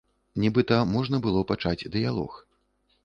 Нібыта можна было пачаць дыялог.